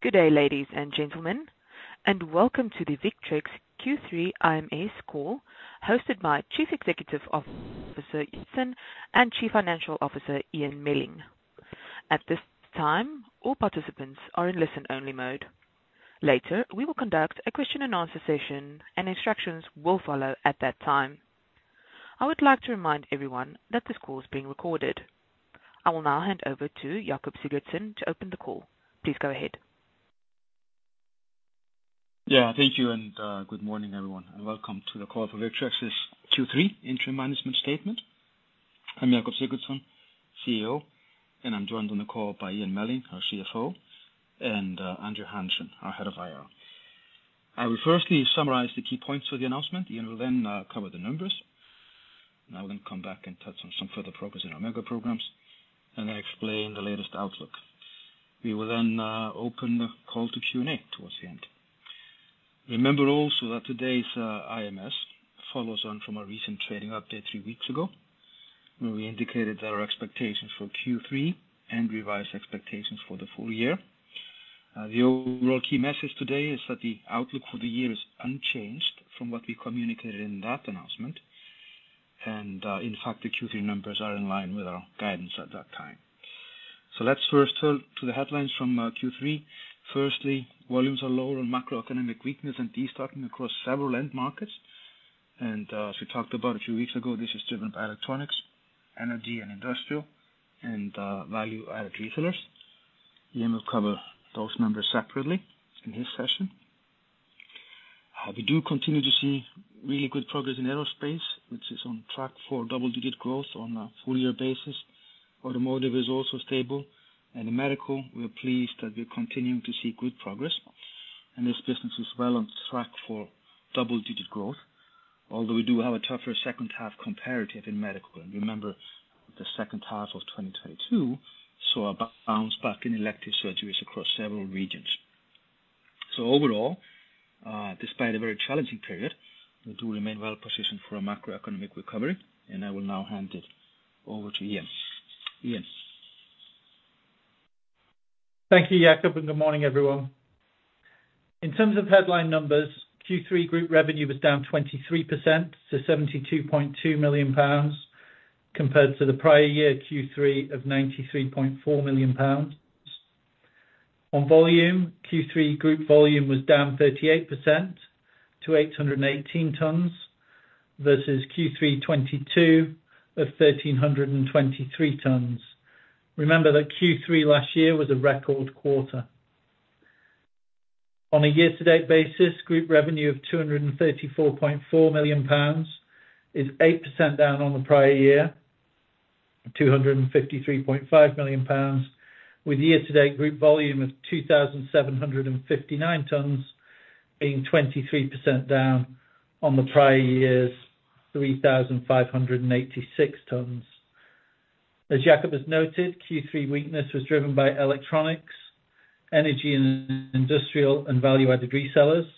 Good day, ladies and gentlemen, welcome to the Victrex Q3 IMS call, hosted by Chief Executive Officer, Sigurðsson, and Chief Financial Officer, Ian Melling. At this time, all participants are in listen-only mode. Later, we will conduct a question and answer session. Instructions will follow at that time. I would like to remind everyone that this call is being recorded. I will now hand over to Jakob Sigurðsson to open the call. Please go ahead. Yeah, thank you, and good morning, everyone, and welcome to the call for Victrex's Q3 Interim Management Statement. I'm Jakob Sigurðsson, CEO, and I'm joined on the call by Ian Melling, our CFO, and Andrew Hanson, our Head of IR. I will firstly summarize the key points for the announcement. Ian will then cover the numbers. I will then come back and touch on some further progress in our mega-programmes, and then explain the latest outlook. We will then open the call to Q&A towards the end. Remember also that today's IMS follows on from a recent trading update three weeks ago, where we indicated our expectations for Q3 and revised expectations for the full year. The overall key message today is that the outlook for the year is unchanged from what we communicated in that announcement. In fact, the Q3 numbers are in line with our guidance at that time. Let's first turn to the headlines from Q3. Firstly, volumes are lower on macroeconomic weakness and destocking across several end markets. As we talked about a few weeks ago, this is driven by electronics, energy and industrial, and value-added resellers. Ian will cover those numbers separately in his session. We do continue to see really good progress in aerospace, which is on track for double-digit growth on a full year basis. Automotive is also stable, and in medical, we are pleased that we're continuing to see good progress, and this business is well on track for double-digit growth. Although we do have a tougher second half comparative in medical. Remember, the second half of 2022 saw a bounce back in elective surgeries across several regions. Overall, despite a very challenging period, we do remain well positioned for a macroeconomic recovery, and I will now hand it over to Ian. Ian? Thank you, Jakob, and good morning, everyone. In terms of headline numbers, Q3 group revenue was down 23% to 72.2 million pounds, compared to the prior year Q3 of 93.4 million pounds. On volume, Q3 group volume was down 38% to 818 tons, versus Q3 2022 of 1,323 tons. Remember that Q3 last year was a record quarter. On a year-to-date basis, group revenue of 234.4 million pounds is 8% down on the prior year, 253.5 million pounds, with year-to-date group volume of 2,759 tons being 23% down on the prior year's 3,586 tons. As Jakob has noted, Q3 weakness was driven by electronics, energy and industrial, and value-added resellers.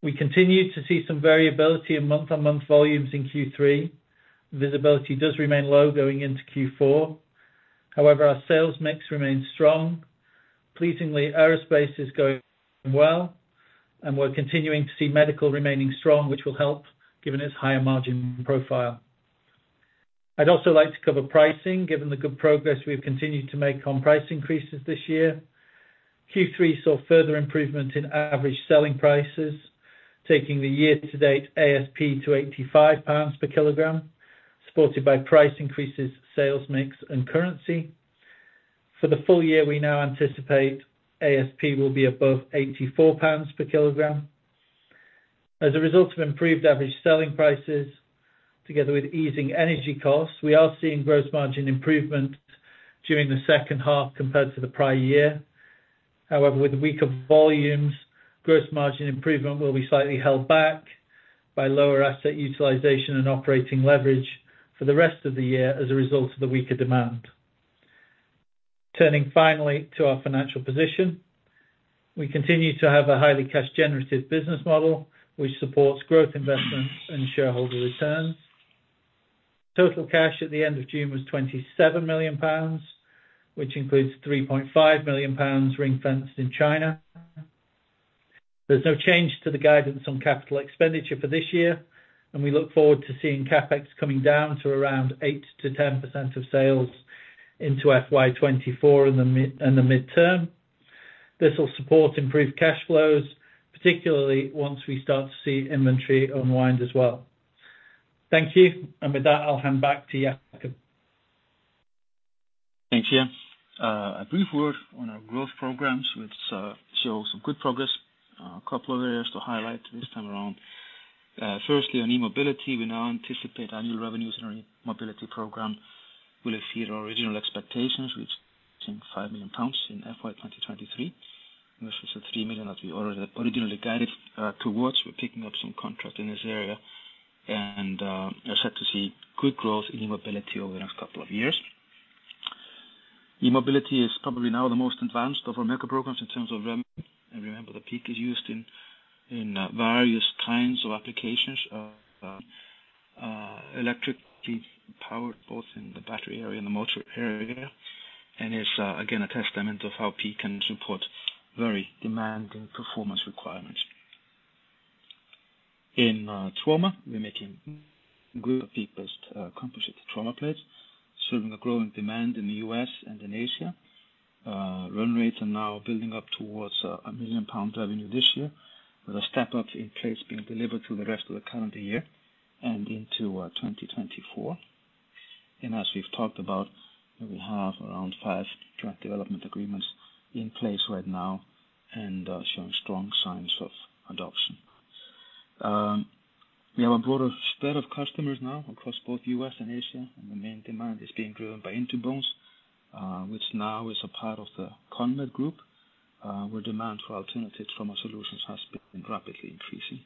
We continued to see some variability in month-on-month volumes in Q3. Visibility does remain low going into Q4. However, our sales mix remains strong. Pleasingly, aerospace is going well, and we're continuing to see medical remaining strong, which will help given its higher margin profile. I'd also like to cover pricing, given the good progress we've continued to make on price increases this year. Q3 saw further improvement in average selling prices, taking the year-to-date ASP to 85 pounds per kilogram, supported by price increases, sales mix, and currency. For the full year, we now anticipate ASP will be above 84 pounds per kilogram. As a result of improved average selling prices, together with easing energy costs, we are seeing gross margin improvement during the second half compared to the prior year. However, with weaker volumes, gross margin improvement will be slightly held back by lower asset utilization and operating leverage for the rest of the year as a result of the weaker demand. Turning finally to our financial position. We continue to have a highly cash-generative business model, which supports growth investments and shareholder returns. Total cash at the end of June was 27 million pounds, which includes 3.5 million pounds ring-fenced in China. There's no change to the guidance on capital expenditure for this year, and we look forward to seeing CapEx coming down to around 8%-10% of sales into FY 2024 in the midterm. This will support improved cash flows, particularly once we start to see inventory unwind as well. Thank you. With that, I'll hand back to Jakob. Thanks, Ian. A brief word on our growth programs, which show some good progress. A couple of areas to highlight this time around. Firstly, on E-mobility, we now anticipate annual revenues in our E-mobility program will exceed our original expectations, which is 5 million pounds in FY 2023. This is the 3 million that we originally guided towards. We're picking up some contracts in this area, and are set to see good growth in E-mobility over the next couple of years. E-mobility is probably now the most advanced of our mega-programmes in terms of revenue, and remember, the PEEK is used in various kinds of applications, electrically powered, both in the battery area and the motor area, and is again, a testament of how PEEK can support very demanding performance requirements. In trauma, we're making good PEEK-based composite trauma plates, serving a growing demand in the U.S. and in Asia. Run rates are now building up towards 1 million pound revenue this year, with a step up in plates being delivered through the rest of the calendar year and into 2024. As we've talked about, we have around 5 drug development agreements in place right now and showing strong signs of adoption. We have a broader spread of customers now across both U.S. and Asia, and the main demand is being driven by In2Bones, which now is a part of the CONMED group, where demand for alternative trauma solutions has been rapidly increasing.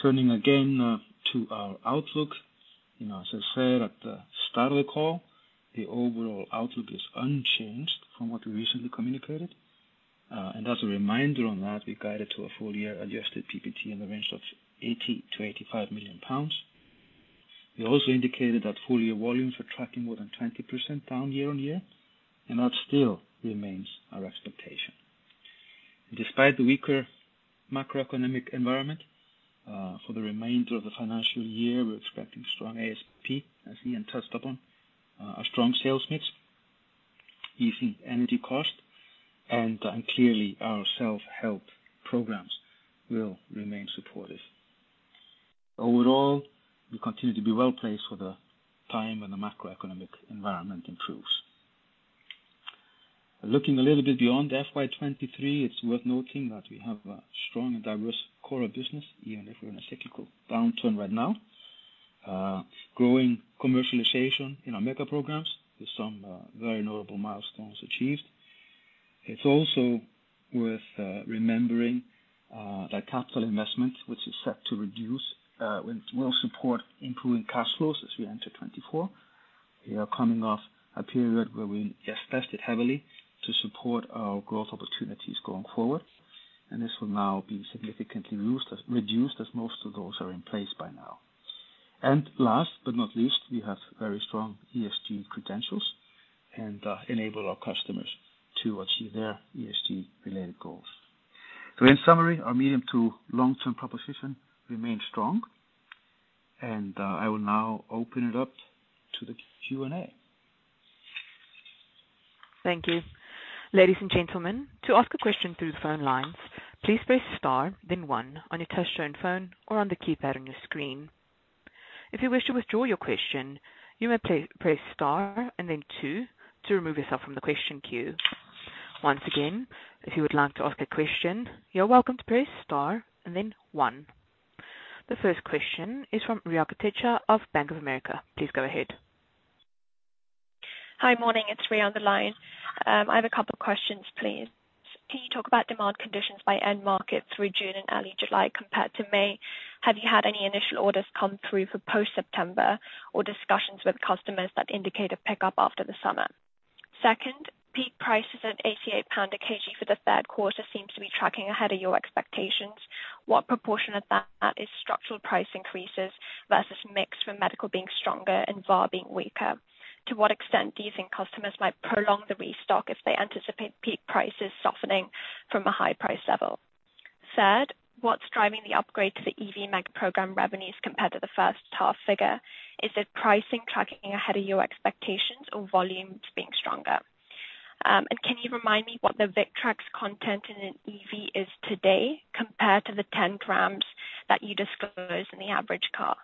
Turning again to our outlook, you know, as I said at the start of the call, the overall outlook is unchanged from what we recently communicated. As a reminder on that, we guided to a full year adjusted PBT in the range of 80 million-85 million pounds. We also indicated that full-year volumes are tracking more than 20% down year-on-year, and that still remains our expectation. Despite the weaker macroeconomic environment for the remainder of the financial year, we're expecting strong ASP, as Ian touched upon, a strong sales mix, easing energy cost, and clearly, our self-help programs will remain supportive. Overall, we continue to be well-placed for the time when the macroeconomic environment improves. Looking a little bit beyond FY 2023, it's worth noting that we have a strong and diverse core of business, even if we're in a technical downturn right now. Growing commercialization in our mega-programmes with some very notable milestones achieved. It's also worth remembering that capital investment, which is set to reduce, will support improving cash flows as we enter 2024. We are coming off a period where we invested heavily to support our growth opportunities going forward, and this will now be significantly reduced as most of those are in place by now. Last but not least, we have very strong ESG credentials and enable our customers to achieve their ESG-related goals. In summary, our medium to long-term proposition remains strong, I will now open it up to the Q&A. Thank you. Ladies and gentlemen, to ask a question through the phone lines, please press star, then one on your touchtone phone or on the keypad on your screen. If you wish to withdraw your question, you may press star and then two to remove yourself from the question queue. Once again, if you would like to ask a question, you're welcome to press star and then one. The first question is from Rhea Katyal of Bank of America. Please go ahead. Hi, morning. It's Rhea on the line. I have a couple of questions, please. Can you talk about demand conditions by end markets through June and early July compared to May? Have you had any initial orders come through for post-September, or discussions with customers that indicate a pickup after the summer? Second, PEEK prices at 88 pound a kg for the third quarter seems to be tracking ahead of your expectations. What proportion of that is structural price increases versus mix, with medical being stronger and VAR being weaker? To what extent do you think customers might prolong the restock if they anticipate PEEK prices softening from a high price level? Third, what's driving the upgrade to the EV MEG program revenues compared to the first half figure? Is it pricing tracking ahead of your expectations or volumes being stronger? Can you remind me what the Victrex content in an EV is today compared to the 10 grams that you disclosed in the average car?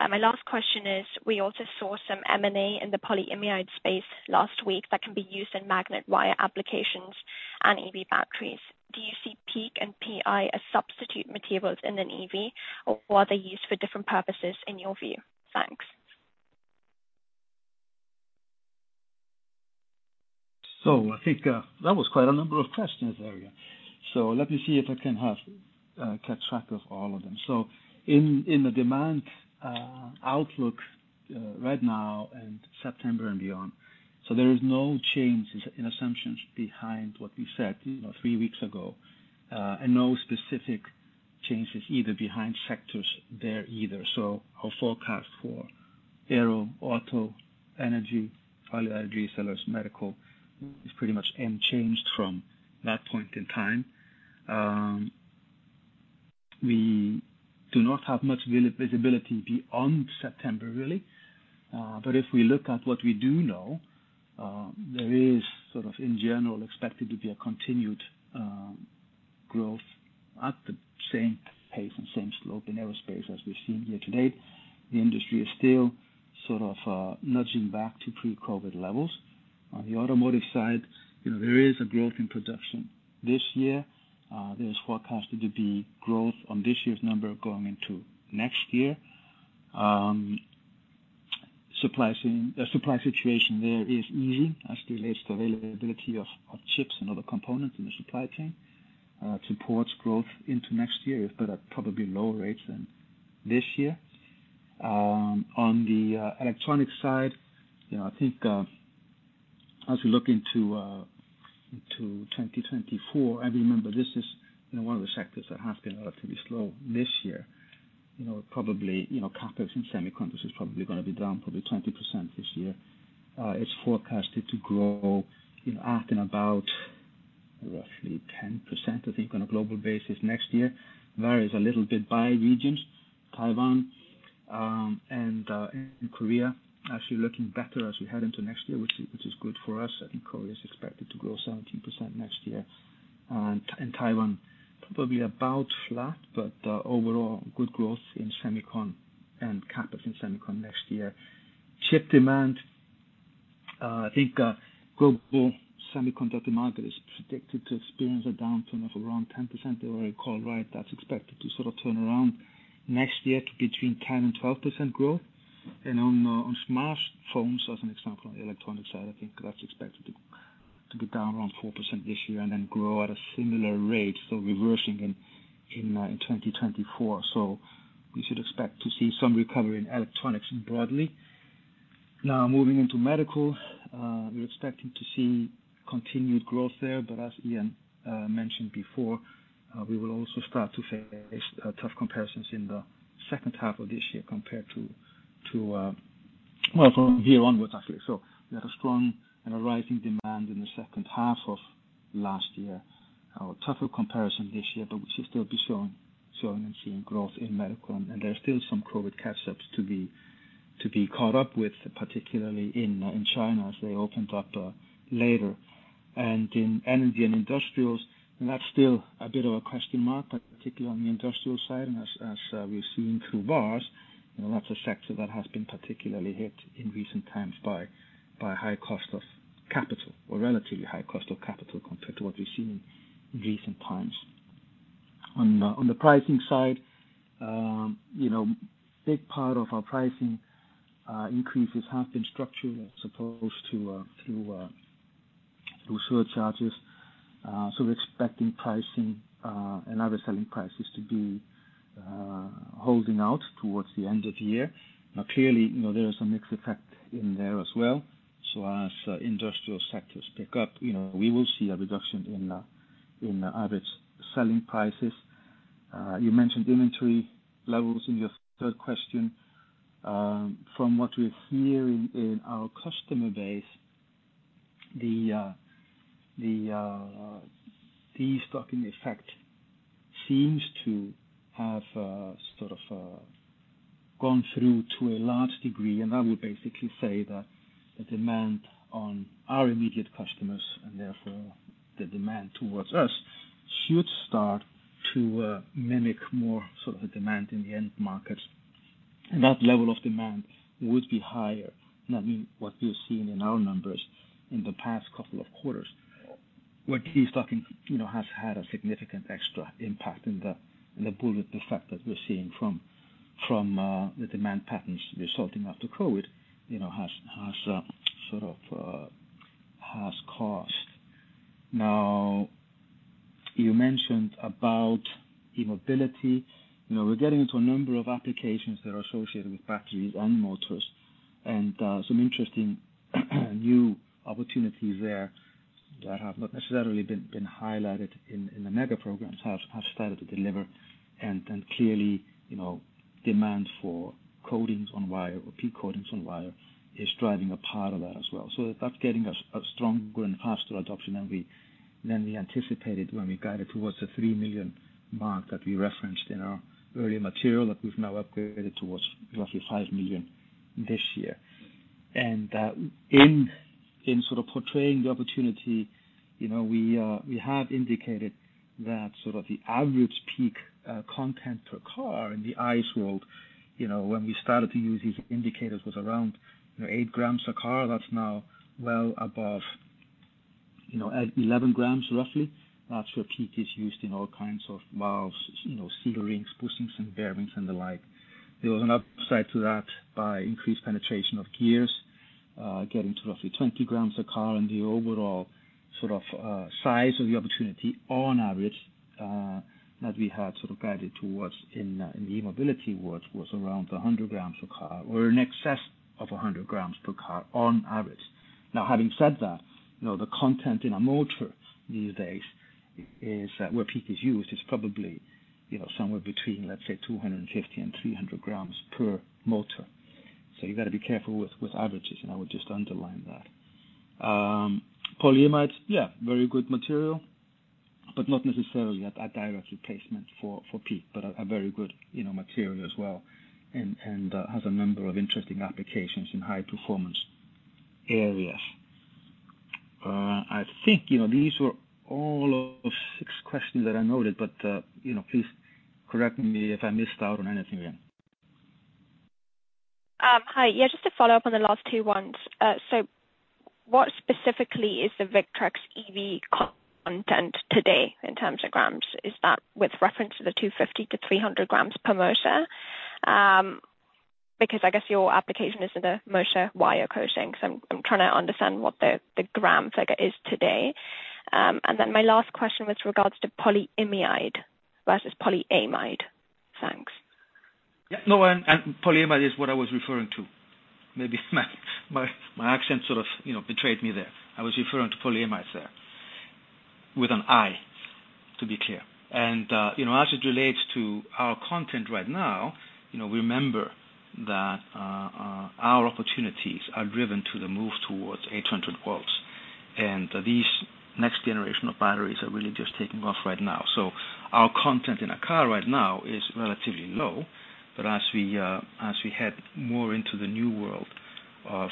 My last question is, we also saw some M&A in the polyimide space last week that can be used in magnet wire applications and EV batteries. Do you see PEEK and PI as substitute materials in an EV, or are they used for different purposes in your view? Thanks. I think that was quite a number of questions there. Let me see if I can have keep track of all of them. In, in the demand outlook right now and September and beyond, there is no changes in assumptions behind what we said, you know, three weeks ago, and no specific changes either behind sectors there either. Our forecast for aero, auto, energy, polyimide resellers, medical, is pretty much unchanged from that point in time. We do not have much visibility beyond September, really. But if we look at what we do know, there is sort of in general, expected to be a continued growth at the same pace and same slope in aerospace as we've seen year to date. The industry is still sort of nudging back to pre-COVID levels. On the automotive side, you know, there is a growth in production this year. There is forecasted to be growth on this year's number going into next year. The supply situation there is easy as it relates to availability of chips and other components in the supply chain. Supports growth into next year, but at probably lower rates than this year. On the electronics side, you know, I think, as we look into 2024, and remember, this is, you know, one of the sectors that has been relatively slow this year. You know, CapEx in semiconductors is probably going to be down probably 20% this year. It's forecasted to grow, you know, at and about roughly 10%, I think, on a global basis next year. Varies a little bit by regions. Taiwan, and Korea actually looking better as we head into next year, which is good for us. I think Korea is expected to grow 17% next year, and Taiwan probably about flat, overall good growth in semicon and CapEx in semicon next year. Chip demand, I think global semiconductor market is predicted to experience a downturn of around 10%, if I recall right. That's expected to sort of turn around next year to between 10%-12% growth. On smartphones, as an example, on the electronic side, I think that's expected to be down around 4% this year and then grow at a similar rate, so reversing in 2024. We should expect to see some recovery in electronics broadly. Moving into medical, we're expecting to see continued growth there, but as Ian mentioned before, we will also start to face tough comparisons in the second half of this year compared to, well, from here onwards, actually. We had a strong and a rising demand in the second half of last year. A tougher comparison this year, we should still be showing and seeing growth in medical. There are still some COVID catch-ups to be caught up with, particularly in China, as they opened up later. In energy and industrials, and that's still a bit of a question mark, particularly on the industrial side. As we've seen through VARS, you know, that's a sector that has been particularly hit in recent times by high cost of capital, or relatively high cost of capital compared to what we've seen in recent times. On the pricing side, you know, big part of our pricing increases have been structural as opposed to surcharges. We're expecting pricing and other selling prices to be holding out towards the end of the year. Clearly, you know, there is a mixed effect in there as well. As industrial sectors pick up, you know, we will see a reduction in average selling prices. You mentioned inventory levels in your third question. From what we hear in our customer base, the destocking effect seems to have sort of gone through to a large degree. I would basically say that the demand on our immediate customers, and therefore the demand towards us, should start to mimic more sort of the demand in the end markets. That level of demand would be higher than what we've seen in our numbers in the past couple of quarters. What destocking, you know, has had a significant extra impact in the bullet, the fact that we're seeing from the demand patterns resulting after COVID, you know, has sort of has cost. You mentioned about E-mobility. You know, we're getting into a number of applications that are associated with batteries on motors, some interesting new opportunities there that have not necessarily been highlighted in the mega-programmes, have started to deliver. Clearly, you know, demand for coatings on wire, or PEEK coatings on wire, is driving a part of that as well. That's getting a stronger and faster adoption than we anticipated when we guided towards the 3 million mark that we referenced in our earlier material, that we've now upgraded towards roughly 5 million this year. In sort of portraying the opportunity, you know, we have indicated that sort of the average PEEK content per car in the ICE world, you know, when we started to use these indicators, was around 8 grams a car. That's now well above, you know, 11 grams, roughly. That's where PEEK is used in all kinds of valves, you know, seal rings, bushings and bearings, and the like. There was an upside to that by increased penetration of gears, getting to roughly 20 grams a car. The overall sort of, size of the opportunity on average, that we had sort of guided towards in the E-mobility world, was around 100 grams a car, or in excess of 100 grams per car, on average. Now, having said that, you know, the content in a motor these days is, where PEEK is used, is probably, you know, somewhere between, let's say, 250 and 300 grams per motor. You've got to be careful with averages, and I would just underline that. Polyimides, yeah, very good material, but not necessarily a direct replacement for PEEK, but a very good, you know, material as well. has a number of interesting applications in high-performance areas. I think, you know, these were all of six questions that I noted, but, you know, please correct me if I missed out on anything again. Hi. Just to follow up on the last two ones. What specifically is the Victrex EV content today in terms of grams? Is that with reference to the 250-300 grams per motor? I guess your application is in the motor wire coating, so I'm trying to understand what the gram figure is today. Then my last question with regards to polyimide versus polyamide.... Yeah, no, and polyimide is what I was referring to. Maybe my accent sort of, you know, betrayed me there. I was referring to polyimide there, with an I, to be clear. you know, as it relates to our content right now, you know, remember that our opportunities are driven to the move towards 800 volts, and these next generation of batteries are really just taking off right now. Our content in a car right now is relatively low, but as we head more into the new world of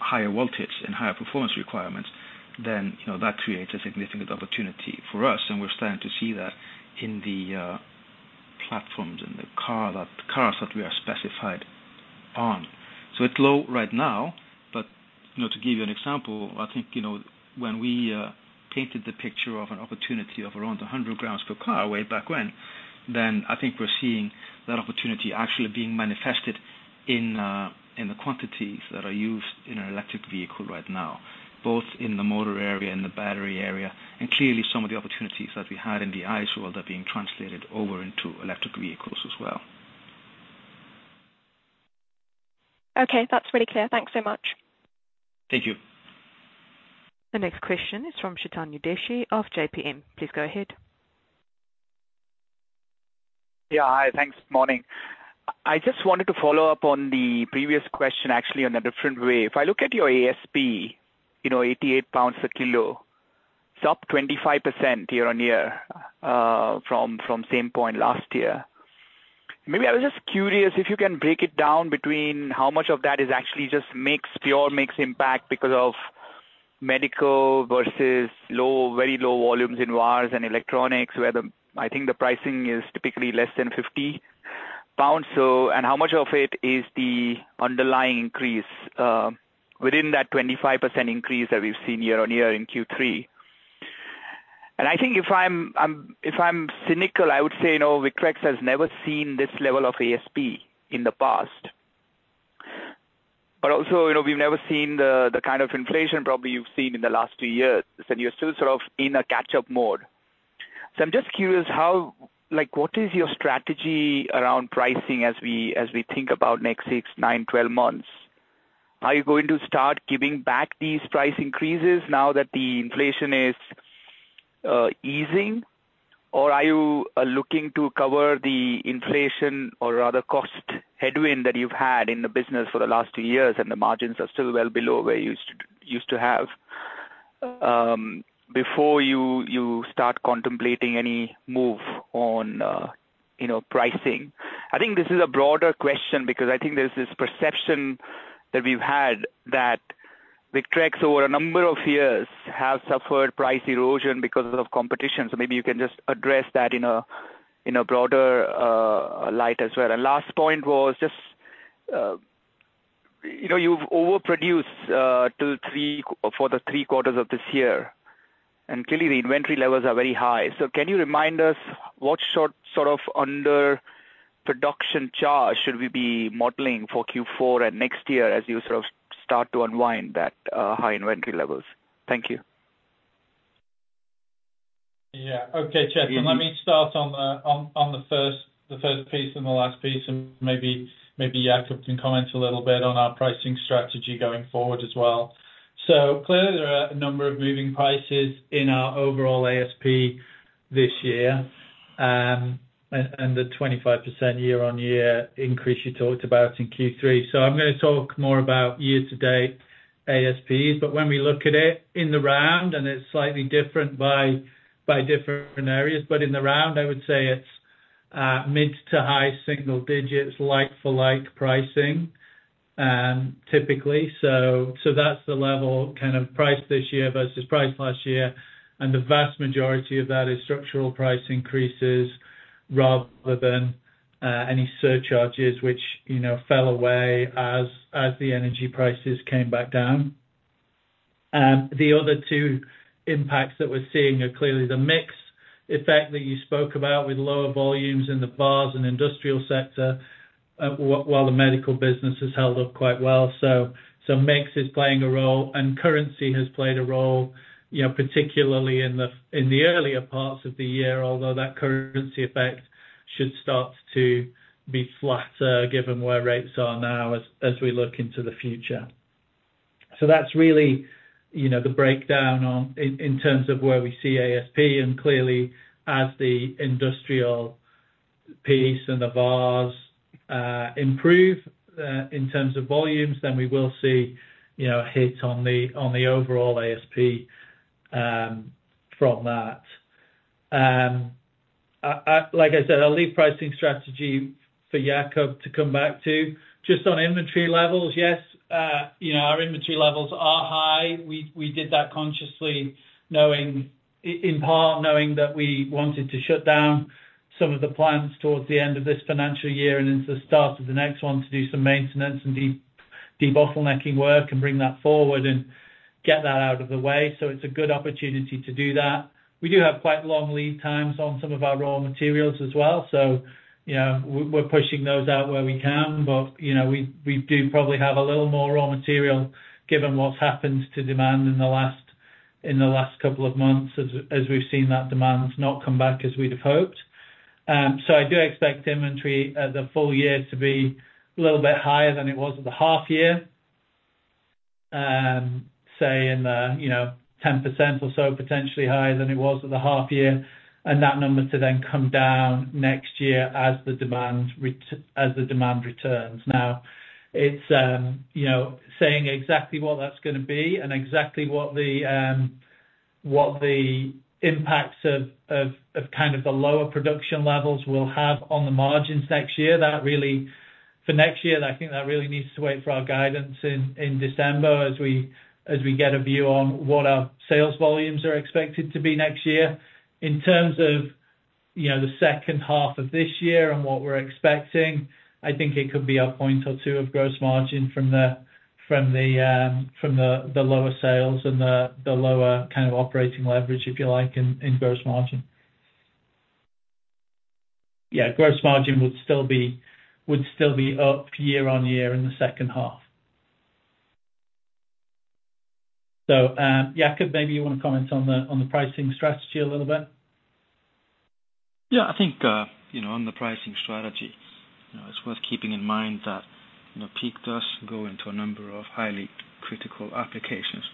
higher voltage and higher performance requirements, then, you know, that creates a significant opportunity for us, and we're starting to see that in the platforms and the cars that we are specified on. It's low right now, but, you know, to give you an example, I think, you know, when we painted the picture of an opportunity of around 100 grams per car, way back when, then I think we're seeing that opportunity actually being manifested in the quantities that are used in an electric vehicle right now, both in the motor area and the battery area. Clearly, some of the opportunities that we had in the ICE world are being translated over into electric vehicles as well. Okay, that's really clear. Thanks so much. Thank you. The next question is from Chetan Udeshi of JPMorgan. Please go ahead. Yeah. Hi, thanks. Morning. I just wanted to follow up on the previous question, actually, on a different way. If I look at your ASP, you know, 88 pounds per kilo, it's up 25% year-on-year from same point last year. Maybe I was just curious if you can break it down between how much of that is actually just mix, pure mix impact because of medical versus low, very low volumes in wires and electronics, where I think the pricing is typically less than 50 pounds, so. How much of it is the underlying increase within that 25% increase that we've seen year-on-year in Q3? I think if I'm cynical, I would say, you know, Victrex has never seen this level of ASP in the past. Also, you know, we've never seen the kind of inflation probably you've seen in the last 2 years, and you're still sort of in a catch-up mode. I'm just curious, Like, what is your strategy around pricing as we, as we think about next 6, 9, 12 months? Are you going to start giving back these price increases now that the inflation is easing? Or are you looking to cover the inflation or rather, cost headwind that you've had in the business for the last 2 years, and the margins are still well below where you used to have before you start contemplating any move on, you know, pricing? I think this is a broader question because I think there's this perception that we've had that Victrex, over a number of years, has suffered price erosion because of competition. Maybe you can just address that in a, in a broader light as well. Last point was just, you know, you've overproduced, 2, 3, for the three quarters of this year, and clearly the inventory levels are very high. Can you remind us what sort of under production charge should we be modeling for Q4 and next year as you sort of start to unwind that high inventory levels? Thank you. Okay, Chetan, let me start on the first piece and the last piece, and maybe Jakob can comment a little bit on our pricing strategy going forward as well. Clearly, there are a number of moving pieces in our overall ASP this year, and the 25% year-on-year increase you talked about in Q3. I'm going to talk more about year-to-date ASPs. When we look at it in the round, and it's slightly different by different areas, but in the round, I would say it's mid to high single digits, like-for-like pricing, typically. That's the level kind of price this year versus price last year, and the vast majority of that is structural price increases rather than any surcharges, which, you know, fell away as the energy prices came back down. The other two impacts that we're seeing are clearly the mix effect that you spoke about with lower volumes in the bars and industrial sector, while the medical business has held up quite well. So mix is playing a role, and currency has played a role, you know, particularly in the earlier parts of the year, although that currency effect should start to be flatter, given where rates are now as we look into the future. That's really, you know, the breakdown in terms of where we see ASP, and clearly, as the industrial piece and the bars improve in terms of volumes, then we will see, you know, a hit on the overall ASP from that. Like I said, I'll leave pricing strategy for Jakob to come back to. Just on inventory levels, yes, you know, our inventory levels are high. We did that consciously knowing, in part, knowing that we wanted to shut down some of the plants towards the end of this financial year and into the start of the next one to do some maintenance and debottlenecking work and bring that forward and get that out of the way. It's a good opportunity to do that. We do have quite long lead times on some of our raw materials as well, so you know, we're pushing those out where we can, but, you know, we do probably have a little more raw material given what's happened to demand in the last couple of months, as we've seen that demand not come back as we'd have hoped. I do expect inventory at the full year to be a little bit higher than it was at the half year. Say, in the, you know, 10% or so, potentially higher than it was at the half year, and that number to then come down next year as the demand returns. It's, you know, saying exactly what that's gonna be and exactly what the impacts of, of kind of the lower production levels will have on the margins next year, for next year, I think that really needs to wait for our guidance in December, as we, as we get a view on what our sales volumes are expected to be next year. In terms of, you know, the second half of this year and what we're expecting, I think it could be a point or 2 of gross margin from the, from the lower sales and the lower kind of operating leverage, if you like, in gross margin. Yeah, gross margin would still be up year-on-year in the second half. Jakob, maybe you want to comment on the, on the pricing strategy a little bit? Yeah, I think, you know, on the pricing strategy, you know, it's worth keeping in mind that, you know, PEEK does go into a number of highly critical applications,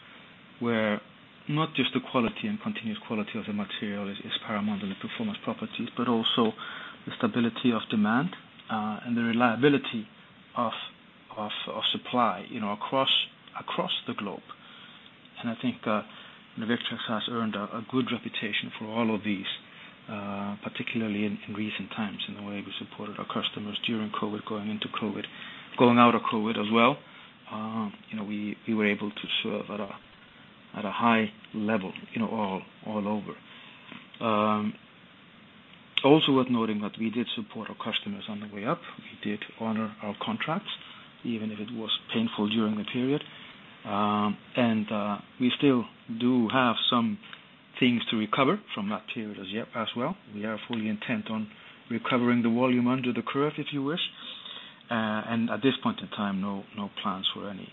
where not just the quality and continuous quality of the material is paramount in the performance properties, but also the stability of demand, and the reliability of supply, you know, across the globe. I think, Victrex has earned a good reputation for all of these, particularly in recent times, in the way we supported our customers during COVID, going into COVID, going out of COVID as well. You know, we were able to serve at a high level, you know, all over. Also worth noting that we did support our customers on the way up. We did honor our contracts, even if it was painful during the period. We still do have some things to recover from that period as yet, as well. We are fully intent on recovering the volume under the curve, if you wish. At this point in time, no plans for any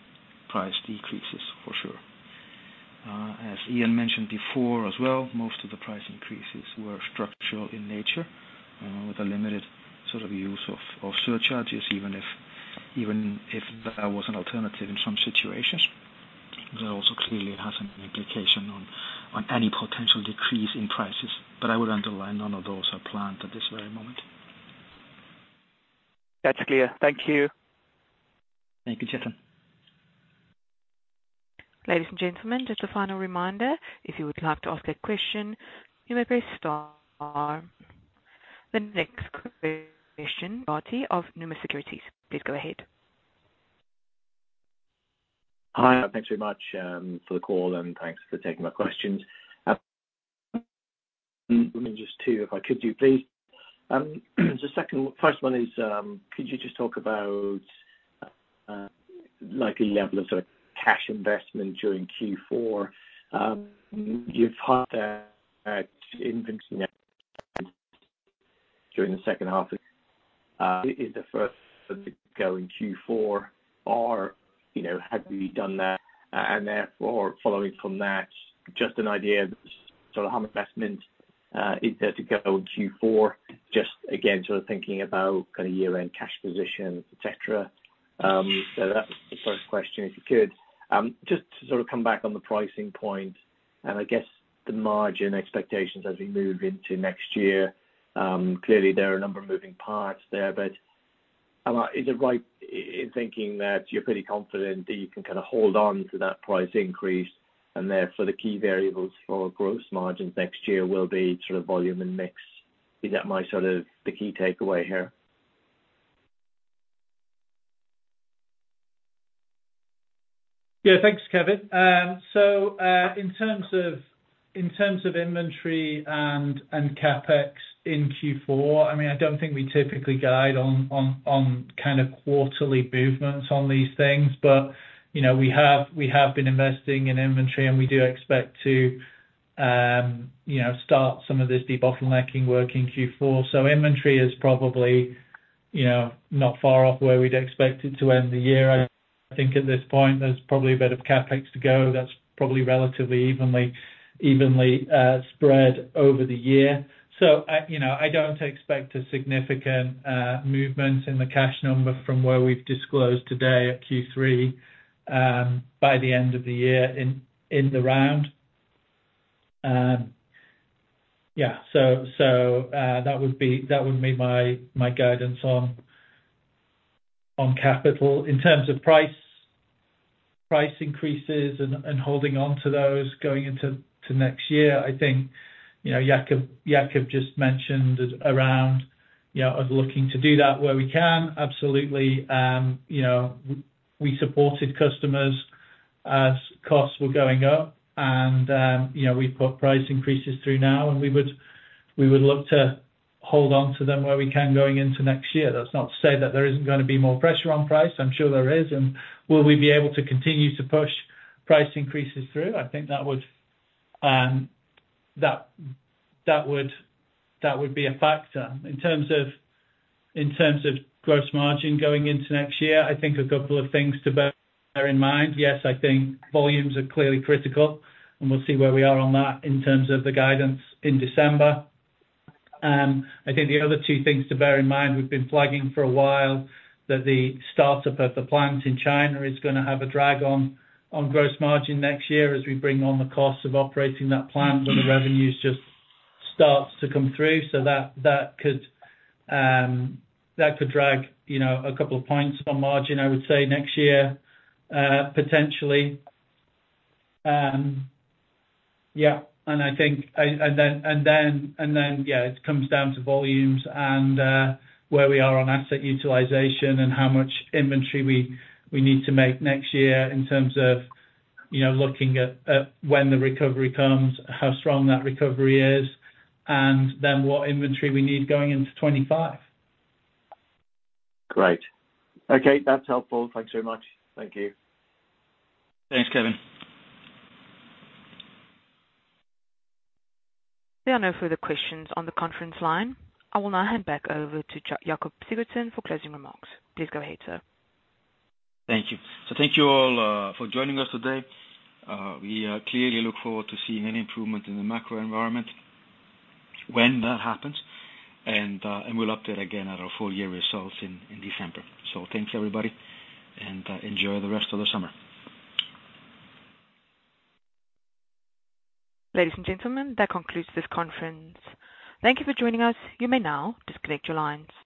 price decreases, for sure. As Ian mentioned before as well, most of the price increases were structural in nature, with a limited sort of use of surcharges, even if that was an alternative in some situations. That also clearly has an implication on any potential decrease in prices, but I would underline, none of those are planned at this very moment. That's clear. Thank you. Thank you, Chetan. Ladies and gentlemen, just a final reminder, if you would like to ask a question, you may press star. The next question, Kevin Fogarty of Numis Securities. Please go ahead. Hi, thanks very much for the call, and thanks for taking my questions. Let me just two, if I could you, please. First one is, could you just talk about, like, the level of sort of cash investment during Q4? You've had that inventory during the second half of, is the first to go in Q4 or, you know, have you done that? Therefore, following from that, just an idea, sort of how much investment is there to go in Q4? Just again, sort of thinking about kind of year-end cash position, et cetera. That was the first question, if you could. Just to sort of come back on the pricing point, and I guess the margin expectations as we move into next year, clearly there are a number of moving parts there. Is it right in thinking that you're pretty confident that you can kind of hold on to that price increase, and therefore, the key variables for gross margins next year will be sort of volume and mix? Is that my sort of, the key takeaway here? Yeah. Thanks, Kevin. In terms of inventory and CapEx in Q4, I mean, I don't think we typically guide on kind of quarterly movements on these things, but, you know, we have been investing in inventory, and we do expect to, you know, start some of this debottlenecking work in Q4. Inventory is probably, you know, not far off where we'd expect it to end the year. I think at this point, there's probably a bit of CapEx to go. That's probably relatively evenly spread over the year. I, you know, I don't expect a significant movement in the cash number from where we've disclosed today at Q3 by the end of the year in the round. Yeah, that would be my guidance on capital. In terms of price increases and holding onto those going into next year, I think, you know, Jakob just mentioned around, you know, us looking to do that where we can, absolutely. You know, we supported customers as costs were going up, and, you know, we've put price increases through now, and we would look to hold on to them where we can going into next year. That's not to say that there isn't gonna be more pressure on price. I'm sure there is. Will we be able to continue to push price increases through? I think that would be a factor. In terms of gross margin going into next year, I think a couple of things to bear in mind. Yes, I think volumes are clearly critical, and we'll see where we are on that in terms of the guidance in December. I think the other two things to bear in mind, we've been flagging for a while, that the startup of the plant in China is gonna have a drag on gross margin next year, as we bring on the costs of operating that plant, where the revenues just start to come through. That could drag, you know, a couple of points on margin, I would say, next year, potentially. And I think... Yeah, it comes down to volumes and where we are on asset utilization, and how much inventory we need to make next year in terms of, you know, looking at when the recovery comes, how strong that recovery is, and then what inventory we need going into 2025. Great. Okay, that's helpful. Thanks so much. Thank you. Thanks, Kevin. There are no further questions on the conference line. I will now hand back over to Jakob Sigurðsson for closing remarks. Please go ahead, sir. Thank you. Thank you all for joining us today. We clearly look forward to seeing an improvement in the macro environment when that happens, and we'll update again at our full year results in December. Thanks, everybody, and enjoy the rest of the summer. Ladies and gentlemen, that concludes this conference. Thank you for joining us. You may now disconnect your lines.